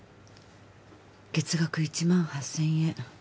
月額１万８０００円。